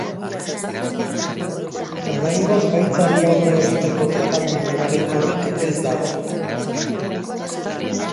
Oraingoz gaitzari aurre egiteko tratamendu eraginkorrik ez dago.